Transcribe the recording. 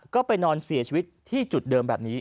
ก็ไปนอนเสียชีวิตที่จุดเดิมแบบนี้